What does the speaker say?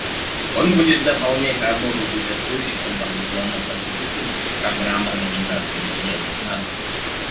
Он будет дополнять работу существующих информационно-просветительских программ Организации Объединенных Наций.